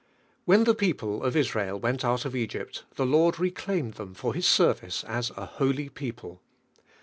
When [lie people of Israel went out of Egypt, the Lord reclaimed them for His I* DIVINE HEALING. service as a holy people.